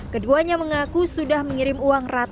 keduanya mengaku sudah mengirimkan penyakit